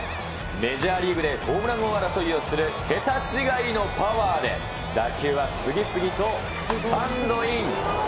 メジャーリーグでホームラン王争いをする桁違いのパワーで、打球は次々とスタンドイン。